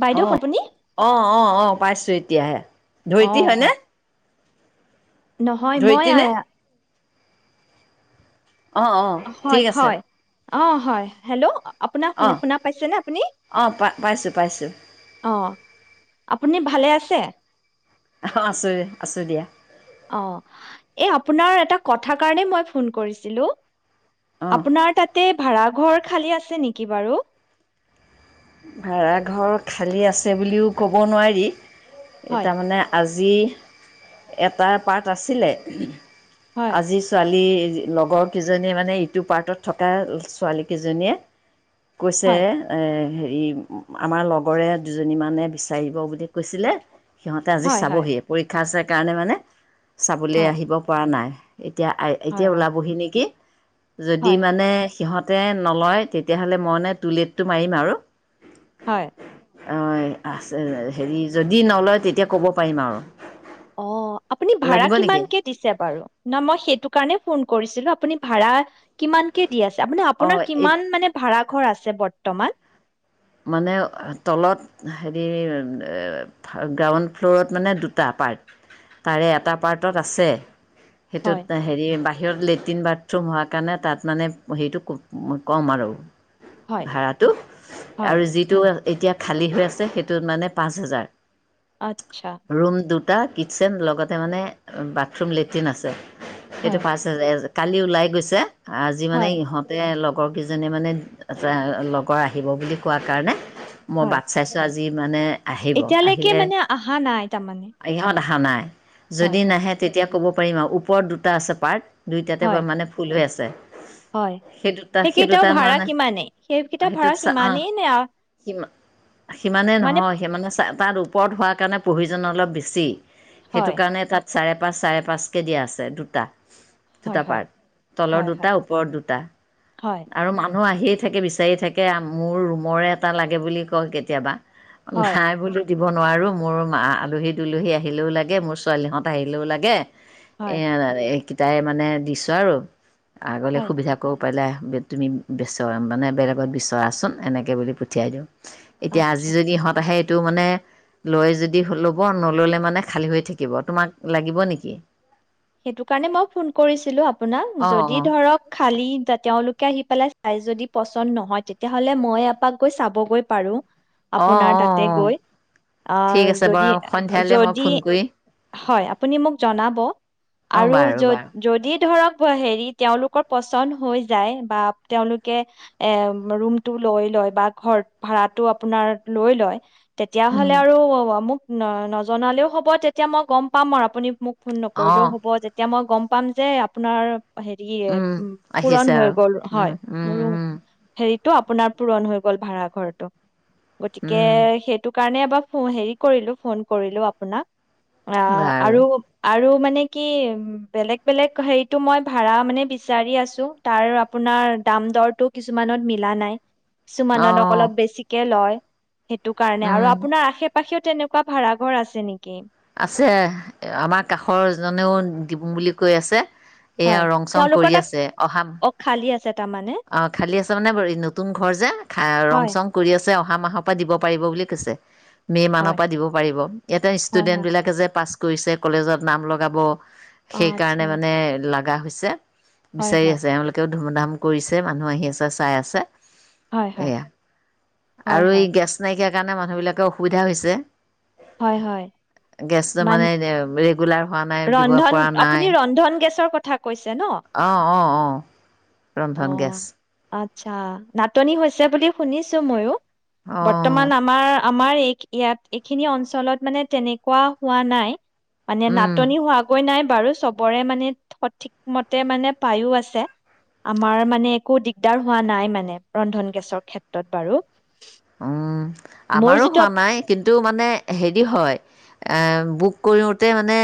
বাইদেউ অ', আপুনি অ', অ', অ'। পাইছোঁ এতিয়াহে ধৰিত্ৰী অঁ হয়নে? নহয় মই ধৰিত্ৰী নে? আয়াা অ অ ঠিক আছে অ', হয় হেল্ল'। আপোনাৰ শুনা অ', শুনা পাইছনেে আপুনি অ', পা-পাইছোঁ পাইছোঁ। পাইছোঁ। অ আপুনি ভালে আছে? অ, ' আছো আছো দিয়া। অ', এই আপোনাৰ এটা কথা কাৰণে মই ফোন কৰিছিলোঁ। অ', আপোনাৰ তাতেই ভাৰা। ঘৰ খালী আছে নেকি বাৰু ভাড়াঘৰ খালী আছে বুলিও ক'ব নোৱাৰি। এ, হয় তাৰ মানে আজ যি এটা পাৰ্ট আছিলে হয় আজি ছোৱালী লগৰ কেইজনীয়ে মানে ইটো পাৰ্টত থকা ছোৱালী কেইজনীয়ে কৈছে হয় এ হে আমাৰ লগৰে দুজনীমানে বিচাৰিব বুলি কৈছিলে। সিহঁতে আজি হয় হয় চাবহিয়ে পৰীক্ষা আছে কাৰণে মানে চাবলৈ হয় আহিব পৰা নাই। এ এতিয়া, আই, হয় এতিয়া হয় ওলাবহি নেকি? যদি হয় মানে সিহঁত টে নলয়, তেতিয়াহ'লে মই এনে টুলটটো মাৰিম, আৰু হয়। অ', আছে, হেৰি, যদি নলয়, তেতিয়া ক'ব পাৰিম, আৰু অ', আপুনি ভাড়া লাগিব নেকি কিমানকে দিছে বাৰু ন? মই সেইটো কাৰণে ফোন কৰিছোঁ। আপুনি ভাড়া কিমানকে দিয়ে আছে। আপোনি, অঁ আপোনাৰ এই কিমান মানে ভাড়া ঘৰ আছে বৰ্তমান। মানে, তলত, হেৰি, গ্ৰাউণ্ড ফ্ল'ৰত, মানে, দুটা পাৰ্ট। তাৰে এটা পাৰ্টত আছে। হয় সেইটোত হেৰি বা বাহিৰত লেট্ৰিন-বাথৰুম হোৱাৰ কাৰণে, তাত, মানে, হেৰিটো কম, আৰু হয়, ভাৰাটো হয়, আৰু যিটো এতিয়া খালী হৈ আছে। সেইটোত, মানে, পাঁচ হাজাৰ। আচ্ছা। টা কিটচেন লগত মানে বাথৰুম-লেট্ৰিন আছে। এইটো হয়, পাঁচ হাজাৰ কালি ওলাই গৈছে। আজি, মানে, হয়, ইহঁতে লগ লগৰকেইজনীয়ে, মানে, লগৰ আহিব বুলি কোৱাৰ কাৰণে মই বাট চাইছোঁ আজি। যি মানে আহিব এতিয়ালেকে আহিলে মানে, আহা নাই, তাৰমানে আৰু নাই। হয়, যদি হয়, নাহে, তেতিয়া ক'ব। ওপৰত দুটা আছে পাৰ্ট। দুইটাতে, হয়, বা মানে, ফুল হৈ আছে। ছে হয়, সেইকেইটাও ভাড়া কিমানেই, সেইকেইটা ভাড়া সিমানেই। নে আ সি সিমানে মানে নহয়, সিমানে চায় তাত ওপৰত হোৱাৰ কাৰণে, প্ৰয়োজন অলপ বেছি সেইটো হয়, কাৰণে, তাত চাৰে তাপা চাৰে পাঁচ কেজি আছে দুটা। হয়, দুটা হয়, পাৰ্ট। তলৰ হয়, দুটা, হয়, ওপৰত দুটা হয়, আৰু মা মানু্হ আহিয়ে থাকে, বিচাৰি থাকে মোৰ ৰুম মোৰে এটা লাগে বুলি কয় কেতিয়াবা। হয়, নাই বুলি দি দিব নোৱাৰোঁ, মোৰ আলহী-দুলহী আহিলেও লাগে, মোৰ ছোৱালীহঁত আহিলেও লাগে। হয়, এয়া [unintelligible] তাই মানে দিছো আৰু আগলে হয়, সুবিধা ক পেলাই তুমি বিচৰা মানে বেলেগত বিচৰাচোন এনে কে বুলি পঠিয়াই দিওঁ। এতিয়া আজি আচ্ছা। যদি ইহঁত আহে টো মানে লৈ যদি ল'ব নললে মানে খালী হৈ থাকিব। তোমাক লাগিব নিকি? সেইটো কাৰণে মই ফোন কৰিছিলো আ আপোনাক অঁ যদি অঁ ধৰক খালী তেওঁলোকে আহি পেলাই তাই যদি পচন্দ নহয় তেতিয়াহলে মই এপাক গৈ চাবগৈ পাৰো। অঁ আপোনাৰ অঁ তাতে অঁ গৈ, ঠিক আহ আছে যদি, বাৰু সন্ধিয়ালৈ মই যদি ফোন কৰি হয় আপুনি মোক জনাব। অ আৰু বাৰু য বাৰু যদি ধৰক হেৰি তেওঁলোকৰ পচন্দ হৈ যায়, বা তেওঁলোকে এ ৰুমটো লৈ লয় বা ঘৰ ভাৰাটো আপোনাৰ লৈ লয় তেতিয়া উম হ'লে আৰু মোক ন নজনালেও হ'ব তেতিয়া মই গম পাম আৰু আপুনি মোক ফোন অ কৰিলেও হ'ব যেতিয়া মই গম পাম যে আপোনাৰ হেৰি উম পূৰণ আহিছে হৈ আৰু গ'ল হয় উম উম মোৰ উম হেৰি তো আপোনাৰ পূৰণ হৈ গ'ল ভাড়া ঘৰটো। গতিকে উম সেইটো কাৰণে এবাৰ, হেৰি কৰিলো ফোন কৰিলো আপোনাক। আ বাৰু আৰু আৰু মানে কি বেলেগ-বেলেগ হেৰিটো মই ভাৰা মানে বিচাৰি আছো, তাৰ আপোনাৰ দাম দৰটো কিছুমানত মিলা নাই। অ কিছুমানত অলপ বেছিকে লয়। সেইটো কাৰণে আৰু উম আপোনাৰ আশে-পা পাশেও তেনেকুৱা ভাড়া ঘৰ আছে নিকি? আছে, আমাৰ কাষৰ জনেও দিম বুলি কৈ আছে। এইয়া হয় ৰং-চং তেওঁলোকৰ কৰি তাত আছে অহা অ খালী আছে তাৰমানে অ' খালি আছে মানে নতুন ঘৰ যে খা ৰং হয় চং কৰি আছে অহা মাহৰ পৰা দিব পাৰিব বুলি কৈছে। মে' মানৰ হয় পৰা দিব পাৰিব। ইয়াতে হয় হয় ষ্টুডেণ্টবিলাকে যে পাছ কৰিছে। কলেজত নাম লগাব, অ আচ্ছা সেইকাৰণে মানে, লাগ লগা হৈছে। হয় বিচাৰি হয় আছে। এওঁলোকেও ধুম দাম কৰিছে মানুহ আহি আছে চাই আছে। হয় হয় এয়া হয় আৰু এই হয় গেছ নাইকিয়া সেইকাৰণে মানুহবিলাকৰ অসুবিধা হৈছে। হয় হয় গেছটো মান মানে ৰেগুলাৰ হোৱা নাই, দিব ৰন্ধন পৰা আপুনি নাই, ৰন্ধন গেছৰ কথা কৈছে ন অ' অ' অ' ৰন্ধন গেছ। অ', আচ্ছা। নাটনি হৈছে বুলি শুনিছো ময়ো। বৰ্তমান অঁ আমাৰ আমাৰ এই ইয়াত এইখিনি অঞ্চলত মানে তেনেকুৱা হোৱা নাই। মানে নাটনি হোৱাগৈ নাই বাৰু চবৰে মানে সঠিক মতে মানে পায়ো আছে। আমাৰ মানে একো দিগদাৰ হোৱা নাই মানে ৰন্ধন গেছৰ ক্ষেত্ৰত বাৰু। উম, মোৰ আমাৰো যিটো হোৱা আপ- নাই। কিন্তু মানে হেৰি হয়? এ' বুক কৰোঁতে মানে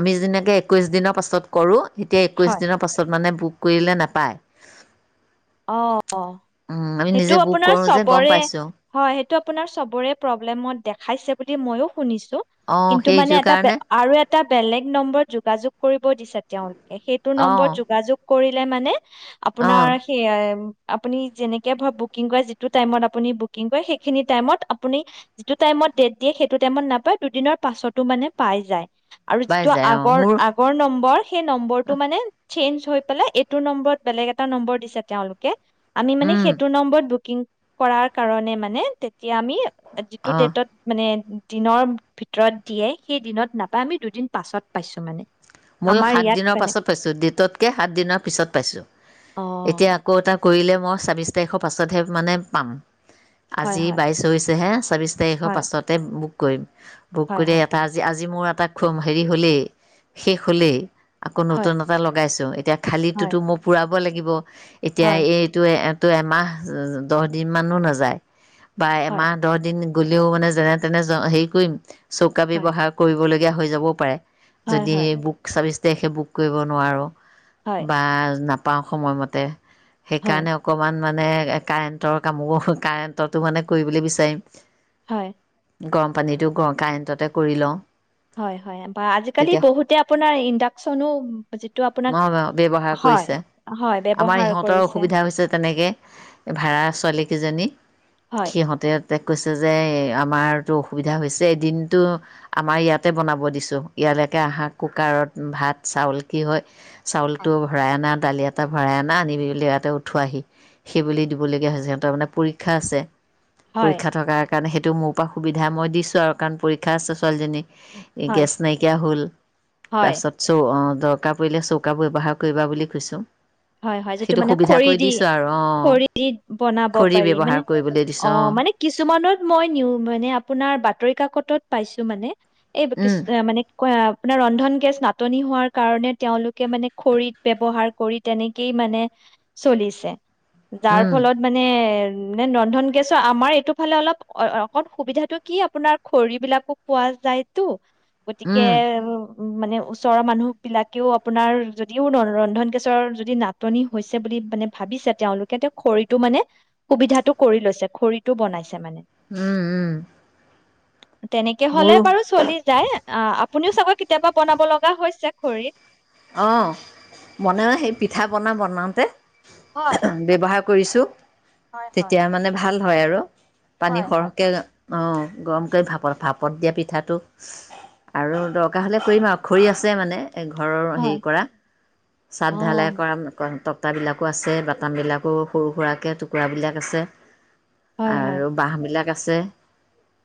আমি যেনেকৈ একৈছ দিনৰ পাছত কৰোঁ এতিয়া একৈছ হয় দিনৰ পাছত মানে বুক কৰিলে নাপায়। অ' উম, আমি নিজে সেইটো বুক আপোনাৰ কৰোঁ যে গম চবৰে পাইছোঁ হয়। সেইটো আপোনাৰ চবৰে প্ৰবলেমত দেখায়ছে বুলি ময়ো শুনিছো। অঁ কিন্তু সেইটো মানে এটা কাৰণে আৰু এটা বেলেগ নম্বৰত যোগাোগ কৰিব দিছে। তেওঁ সেইটো অঁ নম্বৰত যোগাযোগ কৰিলে মানে? অঁ আপোনাৰ আপুনি যেনেকে বুকিং কৰে যিটো টাইমত আপুনি বুকিং কৰে সেইখিনি টাইমত আপুনি যিটো টাইমত দিয়ে সেইটো টাইমত নাপায়, দুদিনৰ পাছো মানে পাই যায়। আৰু পাই যিটো যায় অঁ আগৰ মোৰ আগৰ নম্বৰ সেই নম্বৰটো মানে চেঞ্জ হৈ পেলাই এইটো নম্বৰত বেলেগ এটা নম্বৰ দিছে। তেওঁলোকে আমি মানে উম, সেইটো নম্বৰত বু কিং কৰাৰ কাৰণে মানে তে তিয়া আমি যিটো অঁ ডেটত মানে দিনৰ ভিতৰত দিয়ে, সেই দিনত নাপায়, আমি দুদিন পাছত পাইছো মানে। ময়ো আমাৰ ইয়াত সাতদিনৰ মানে পাছত পাইছোঁ, ডেটতকে সাত দিনৰ পিছত পাইছোঁ, অ এতিয়া ক এটা কৰিলে মই ছাব্বিশ তাৰিখৰ পাছতহে মানে পাম। হয় আজি হয় বাইছ হৈছেহে। চাবিছ পাঁচ তাৰিখৰ হয় পাছতে বুক কৈইম। বুক হয় কৰিয়ে হয় এটা আজি, আজি মোৰ তাক খোম হেৰি হ'লেই। শেষ হ'লেই। আকৌ হয় নতুন এটা লগাইছো, এতিয়া খালীতোটো মই পুৰা [unintelligible] লাগিব। হয় এতিয়া হয় এইটোয়ে তো এমাহ, দহ দিন মানো নাযায়। বা হয় এমাহ-দহ দিন। গ'লেও মানে যেনে তেনে, জ, হেৰি কৰিম। চৌকা হয় ব্যৱহাৰ কৰিবলৈ কিয়া হৈ যাবও পাৰে। হয় যদি হয় বুক চাভিচ তেখে বুক কৰিব নোৱাৰোঁ। বা নাপ পাওঁ সময়মতে। হয় হয় সেইকাৰণে অকমান, মানে কাৰেণ্টৰ কামো, কাৰেণ্টতো মানে কৰিবলৈ বিচাৰিম। হয়। গৰম পানীটো ক-কাৰেণ্টতে কৰি লওঁ। হয় হয়। বা আজিকালি তেতিয়া বহুতে আপোনাৰ ইণ্ডাকচনো যিটো আপোনাক [unintelligible] ব্যৱহাৰ হয় কৰিছে, হয় আমাৰ ব্যৱহাৰ ইহঁতৰ কৰিছে অসুবিধা হৈছে তেনেকে ভাড়া ছোৱালীকেইজনী, হয় সিহঁতে তেওঁক কৈছে যে আমাৰতো অসুবিধা হৈছে এদিনটো ইয়ালৈকে আহা কুকাৰত ভাত চাউল কি হয় চাউলটো ভৰাই অনাত দালি এটা ভৰাই আনা আনিমেলি ইয়াতে উঠোৱাহি সেইবুলি দিবলগীয়া হৈছে সিহঁতৰ মানে পৰীক্ষা আছে হয় পৰীক্ষা থকাৰ কাৰণ সেইটো মোৰ পৰা সুবিধা মই দিছোঁ আৰু কাৰণ পৰীক্ষা আছে ছোৱালীজনী এই হয় গেছ য়া হ'ল হয় তাৰপাছত চৌ অ দৰকাৰ পৰিলে চৌকা ব্যৱহাৰ কৰিবা বুলি কৈছোঁ হয় হয় যিটো সেইটো মানে সুবিধা কৰি খৰিদি দিছোঁ আৰু অঁ খৰিদি বনাব খৰি পাৰি মানে ব্যৱহাৰ কৰিবলৈ অ দিছোঁ অঁ মানে কিছুমানত মই নিওঁ মানে আপোনাৰ বাতৰি কাকতত পাইছো মানে এই কিছ উম মানে ক আপোনাৰ ৰন্ধন গেছ নাটনি হোৱাৰ কাৰণে তেওঁলোকে মানে খৰিত ব্যৱহাৰ কৰিত তেনেকেই মানে চলিছে যাৰ উম ফলত মানে নে ৰন্ধন গেছৰ আমাৰ এইটো ফালে অলপ অ অকণ সুবিধাতটো কি আপোনাৰ খৰি বিলাকো পোৱা যায়তো গতিকে উম [inaudible] উ মানে ওচৰৰ মানুহ বিলাকেও আপোনাৰ যদিও ন ৰন্ধন গেছ ৰ যদি নাটনি হৈছে বুলি মানে ভাবিছে তেওঁলোকে তেওঁ খৰিতটো মানে সুবিধাটো কৰি লৈছে, খৰিটো বনাইছে। মানে উম উম তেনেকে হলে মোৰো বাৰু চলি যায় আহ আপুনিও চাগৈ কেতিয়াবা বনাব লগা হৈছে খৰিত অ বনা সেই পিঠা পনা বনাওঁতে আহ হয় অহ ব্যৱহাৰ কৰিছোঁ হয় হয় তেতিয়া মানে ভাল হয় আৰু পানী হয় হয় সৰহকে এ অঁ গৰম কৰি ভাপত ভাপত দিয়া পিঠাটো আৰু দৰকাৰ হ'লে কৰিম আৰু খৰি আছে মানে ঘৰ হেৰি হয় কৰা অ ছাদ ঢালাই কৰা [inaudible] তক্তা বিলাকো আছে বাটাম বিলাকো সৰু সুৰাকে টুকুৰাবিলাক আছে হয় হয় আৰু বাঁহ বিলাক আছে আছে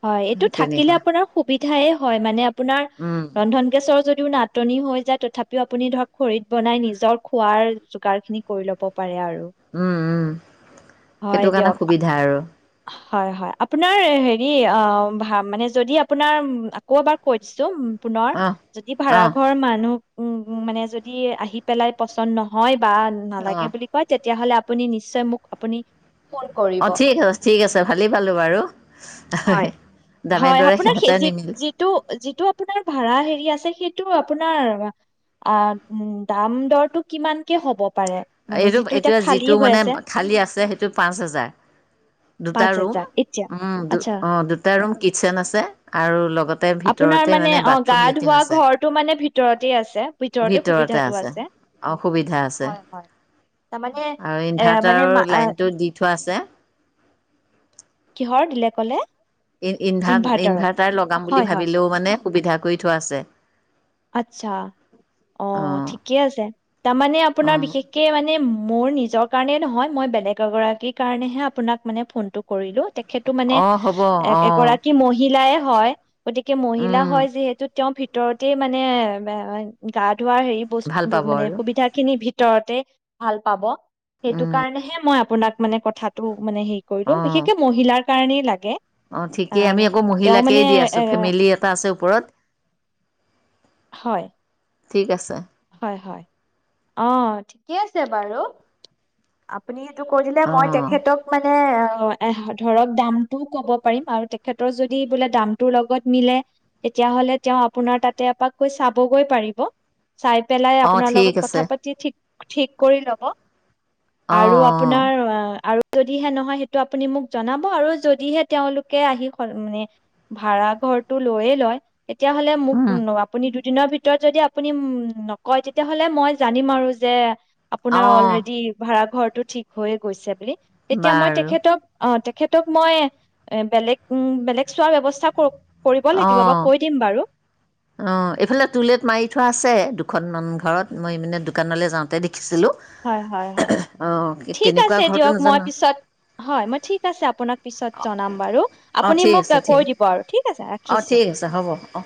হয় এইটো থাকিলে আপোনাৰ সুবিধাই হয় মানে আপোনাৰ উম, ৰন্ধন গেছৰ যদিও নাটনি হৈ যায় তথাপিও আপুনি ধৰক খৰিত বনাই নিজৰ খোৱাৰ যোগাৰ খিনি কৰি ল'ব পাৰে আৰু। উম, উম। হয় সেইটো কাৰণে দিয়ক সুবিধা আৰু। হয় হয় আপোনাৰ হেৰি অ ভ মানে যদি আপোনাৰ আকৌ এবাৰ কৈ দিছো। পুনৰ অঁ যদি অঁ ভাড়াঘৰ মানুহ উম, মানে যদি আহি পেলাই পচন্দ নহয় বা অঁ নালাগে বুলি কয় তেতিয়াহলে আপুনি নিশ্চয় মোক আপুনি ফোন কৰিব অঁ ঠিক আছে ঠিক আছে ভালেই পালো বাৰু হয় দামে হয়, দৰে আপোনাৰ সিহঁতে সেই যি নিমিলিল পাশে সিটো আহ দাম-দৰতো কিমানকে হ'ব? পাৰে? মানে এইটো যিটো এতিয়া এইটোয়া খালী যিটো হৈ মানে আছে খালী আছে সেইটো পাঁচ হোজাৰ দুটা পাঁচ ৰুম হেজাৰ এতিয়া। উম আচ্ছা, অ দুটা ৰুম কিটচেন আছে আৰু লগতে আপোনাৰ ভিতৰতে মানে অ' গা বাথৰুম লেট্ৰিন ধোৱা আছে ঘৰটো মানে ভিতৰতে আছে, ভিতৰতে সুবিধাটো আছে অ সুবিধা আছে হয়, হয়, তাৰমানে আৰু এ মানে মা ইনভাৰ্টাৰৰ আ, লাইনটো দি থোৱা আছে। কিহৰ দিলে কলে? ইনভাৰ্টাৰৰ? ইনভাৰ-ইনভাৰ্টাৰ লগাম বুলি হয়, হয়, ভাবিলেও মানে সুবিধা কৰি থোৱা আছে। আচ্ছা অ অঁ ঠিকে আছে তাৰমানে আপোনাৰ অঁ বিশেষকে মানে মোৰ নিজৰ কাৰণে নহয়, মই বেলেগ এগৰাকী কাৰনেহে আপোনাক মানে ফোন কৰিলোঁ। সেইটো মানে অঁ হ'ব এ অঁ এগৰাকী মহিলাই হয় গতিকে মহিলা হয় যিহেতু তেওঁ ভিত দ গোটেই মানে মে ৱে গাত ধোৱা হেৰি বস্তু ভাল পাব মানে আৰু সুবিধা খিনি ভিত ভিতৰতে ভাল পাব। সেইটো কাৰণেহে মই আপোনাক মানে কথাটো মানে হেৰি কৰি লম বিশেষকে মহিলাৰ কাৰণেই লাগে। অ', আ ঠিকেই। আমি আকৌ তেওঁ মানে মহিলাকেই দি এ আছোঁ, ফেমিলি এটা আছে ওপৰত। হয়। ঠিক আছে। হয় হয় অ ঠিকে আছে বাৰু আপুনি। টো কৈ দিলে মই অঁ তেখেতক মানে। অহ ধৰক দামটো ক'ব পাৰিম বাৰু তেখেতৰ যদি বোলে দামটোৰ লগত মিলে তেতিয়াহলে তেওঁ আপোনাৰ তাতে এপাকগৈ চাবগৈ পাৰিব। চাই পেলাই অঁ আপোনাৰ ঠিক লগত আছে কথা পাতি ঠিক ঠিক কৰি ল'ব। আৰু অঁ আপোনাৰ আৰু। যদিহে নহয় সেইটো আপুনি মোক জনাব আৰু যদিহে তেওঁলোকে আহি মানে ভাড়া ঘৰটো লৈয়ে লয়। তেতিয়াহলে মোক অঁ আপুনি দুদিন। দিনৰ ভিতৰত যদি আপুনি উম। নকয় তেতিয়াহলে মই জানিম আৰু যে। আপোনাৰ অঁ অলৰেডি ভাড়াঘৰ। ঘৰটো ঠিক হৈয়ে গৈছে বুলি। তেতিয়া মই বাৰু তেখেতক অ তেখেতক। তেখেতক মই এ বেলেগ উম বেলেগ চোৱাৰ ব্যৱস্থা কৰোঁ। কৰিব লাগিব বা কৈ দিম বাৰু। অ এইফালে টুলেত মাৰি থোৱা আছে দুখনমান ঘৰত মই মানে দোকানলৈ যাওঁতে দেখিছোঁ। হয় হয় ঠিক কেনেকুৱা আছে ঘৰটো দিয়ক মই নাজানো পিছত হয় ঠিক আছে মই আপোনাক পিছত জনাম বাৰু অঁ আপুনি ঠিক মোক আছে ঠিক কৈ দিব আৰু ঠিক আছে অঁ ৰাখিছোঁ। ঠিক আছে হ'ব অঁ